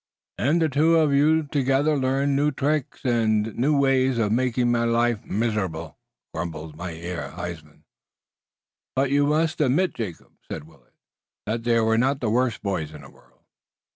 "Und the two uf you together learned new tricks und new ways uf making my life miserable," grumbled Mynheer Huysman. "But you must admit, Jacob," said Willet, "that they were not the worst boys in the world."